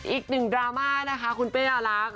อีกหนึ่งดราม่านะคะคุณเป๊น้ารัก